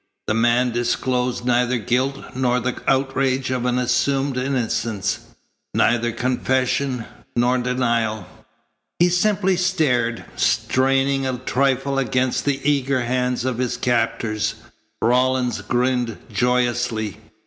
The man disclosed neither guilt nor the outrage of an assumed innocence; neither confession nor denial. He simply stared, straining a trifle against the eager hands of his captors. Rawlins grinned joyously.